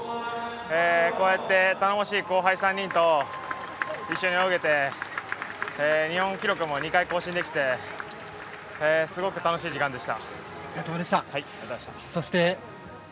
こうやって頼もしい後輩３人と一緒に泳げて日本記録も２回更新できてすごく楽しい時間でした。